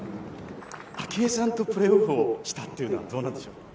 明愛さんとプレーオフをしたっていうのはどうなんでしょう？